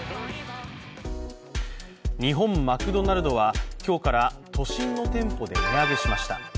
日本マクドナルドは、今日から都心の店舗で値上げしました。